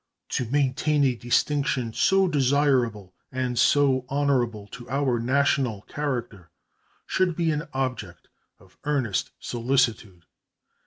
To maintain a distinction so desirable and so honorable to our national character should be an object of earnest solicitude.